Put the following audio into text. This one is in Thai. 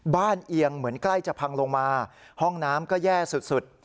เอียงเหมือนใกล้จะพังลงมาห้องน้ำก็แย่สุด